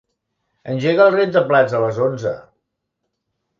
Engega el rentaplats a les onze.